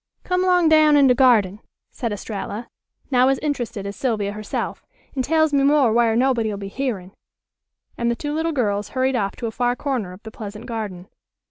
"Come 'long down in de garden," said Estralla, now as interested as Sylvia herself, "an' tells me more whar' nobody'll be hearin'," and the two little girls hurried off to a far corner of the pleasant garden.